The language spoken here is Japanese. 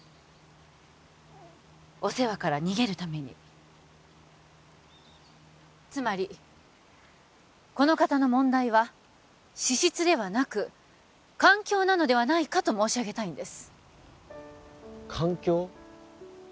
お世話から逃げるためにつまりこの方の問題は資質ではなく環境なのではないかと申し上げたいんです環境？